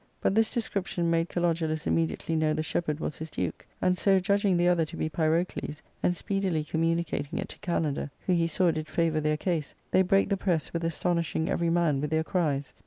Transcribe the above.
But this description made Kalodulus immediately know the shepherd was his duke ; and so judging the other to be Pyrocles, and speedily communicating it to Kalander, who he saw did favour their case, they brake the press with astonishing every man with their cries.